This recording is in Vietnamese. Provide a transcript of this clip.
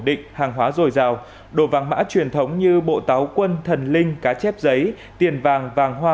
định hàng hóa dồi dào đồ vàng mã truyền thống như bộ táo quân thần linh cá chép giấy tiền vàng vàng hoa